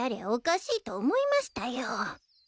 おかしいと思いましたよ。